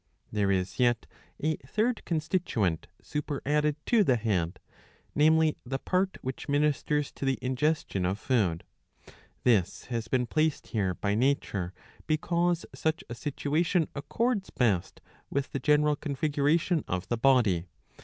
* There is yet a third constituent superadded . to the head, namely the part which ministers to the ingestion of food. This has been . placed here by nature, because such a situation accords best with the general configuration of the body.